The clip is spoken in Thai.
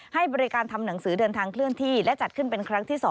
ให้บริการทำหนังสือเดินทางเคลื่อนที่และจัดขึ้นเป็นครั้งที่๒